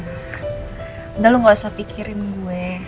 udah lo gak usah pikirin gue